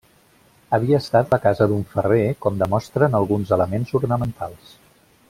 Havia estat la casa d'un ferrer com demostren alguns elements ornamentals.